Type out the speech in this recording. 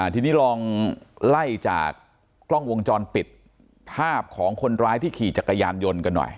ทีนี้ลองไล่จากกล้องวงจรปิดภาพของคนร้ายที่ขี่จักรยานยนต์กันหน่อย